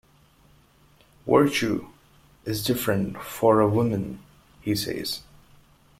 Virtue is different for a woman, he says.